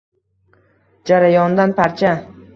Jarayoondan parcha..